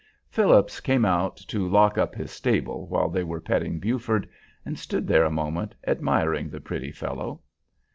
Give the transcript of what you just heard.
Phillips came out to lock up his stable while they were petting Buford, and stood there a moment admiring the pretty fellow.